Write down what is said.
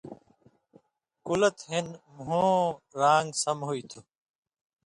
کلَت ہِن مُھوں رانگ سم ہُوئ تُھو